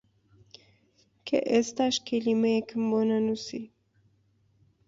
کە ئێستاش کەلیمەیەکم بۆ نەنووسی!